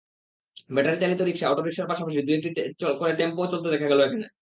ব্যাটারিচালিত rickshaw, অটোরিকশার পাশাপাশি দু-একটি করে টেম্পোও চলতে দেখা গেল এখানে।